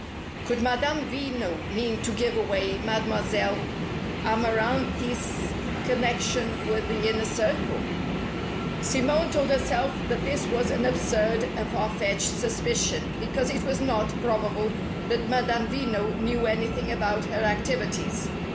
Could Madame Veno mean to give away Mademoiselle Amaranthe's connection with the Inner Circle? Simone told herself that this was an absurd and far fetched suspicion, because it was not probable that Madame Veno knew anything about her activities.